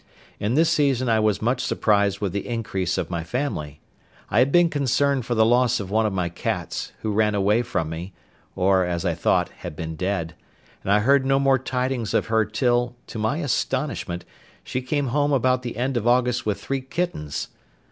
In this season I was much surprised with the increase of my family; I had been concerned for the loss of one of my cats, who ran away from me, or, as I thought, had been dead, and I heard no more tidings of her till, to my astonishment, she came home about the end of August with three kittens.